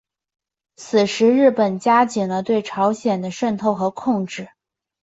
此时日本加紧了对朝鲜的渗透和控制。